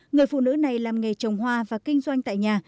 người phụ nữ này làm nghề trồng hoa và kinh doanh tại nhà